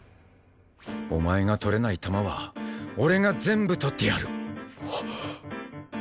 お前が取れない球は俺が全部取ってやる！